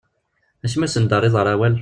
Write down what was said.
Acimi ur asent-d-terriḍ ara awal?